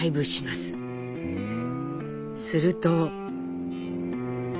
すると。